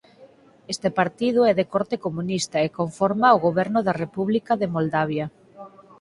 Este partido é de corte comunista e conforma o goberno da República de Moldavia.